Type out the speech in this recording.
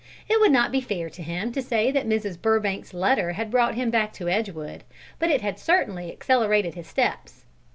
It would not be fair to him to say that Mrs. Burbank's letter had brought him back to Edgewood, but it had certainly accelerated his steps.